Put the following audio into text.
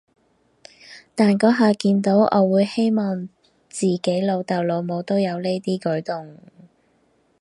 但嗰下見到，我會希望自己老豆老母都有呢啲舉動